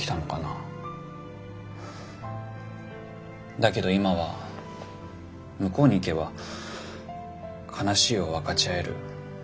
だけど今は向こうに行けば悲しいの分かち合える